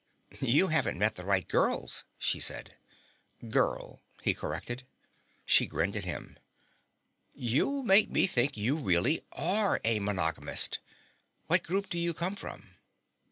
"You haven't met the right girls," she said. "Girl," he corrected. She grinned at him. "You'll make me think you really are a monogamist. What group do you come from?"